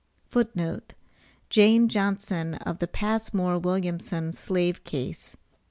[Footnote B: Jane Johnson of the Passmore Williamson Slave Case.